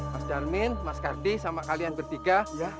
mas dharmin mas karti sama kalian bertiga